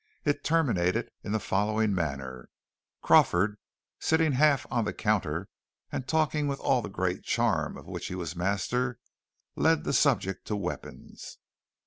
It terminated in the following manner: Crawford, sitting half on the counter, and talking with all the great charm of which he was master, led the subject to weapons.